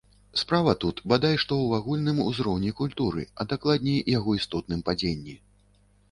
Справа тут, бадай што, у агульным узроўні культуры, а дакладней яго істотным падзенні.